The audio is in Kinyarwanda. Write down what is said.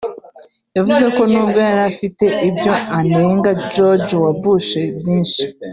yavuze ko nubwo yari afite ibyo anenga George W Bush byinshi